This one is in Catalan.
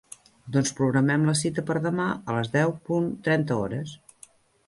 Doncs programem la cita per demà a les deu punt trenta hores.